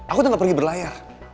aku tinggal pergi berlayar